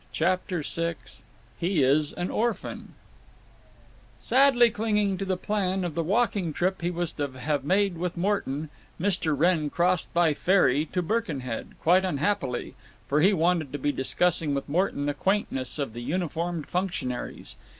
CHAPTER VI HE IS AN ORPHAN Sadly clinging to the plan of the walking trip he was to have made with Morton, Mr. Wrenn crossed by ferry to Birkenhead, quite unhappily, for he wanted to be discussing with Morton the quaintness of the uniformed functionaries.